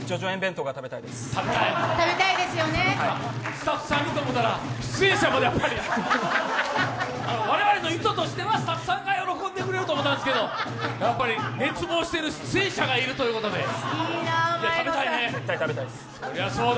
スタッフさんにと思ったら出演者も我々の意図としては、スタッフさんが喜んでくれると思ったんですけどやっぱり熱望している出演者がいるということで、食べたいね？